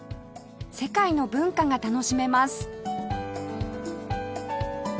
世界の文化が楽しめます